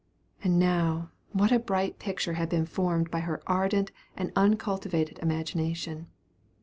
And now what a bright picture had been formed by her ardent and uncultivated imagination.